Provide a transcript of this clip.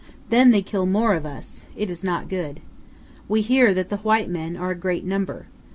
Then they kill more of us. It is not good. We hear that the white men are a great number.